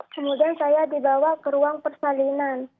kemudian saya dibawa ke ruang persalinan